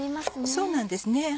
そうなんですね。